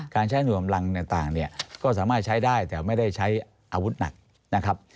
การใช้หน่วยกำลังต่างเนี่ยก็สามารถใช้ได้แต่ไม่ได้ใช้อาวุธหนักนะครับ